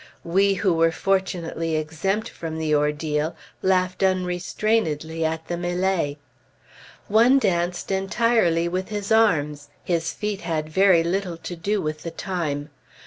We who were fortunately exempt from the ordeal, laughed unrestrainedly at the mêlée. One danced entirely with his arms; his feet had very little to do with the time.